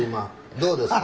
どうですか？